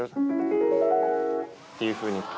っていうふうに。